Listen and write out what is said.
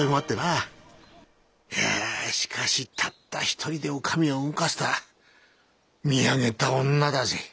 いやしかしたった一人でお上を動かすとは見上げた女だぜ。